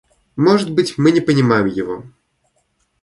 Может быть, мы не понимаем его.